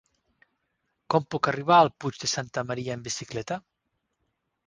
Com puc arribar al Puig de Santa Maria amb bicicleta?